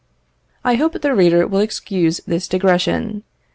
I hope the reader will excuse this digression.